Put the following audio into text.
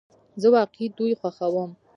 زه واقعی دوی خوښوم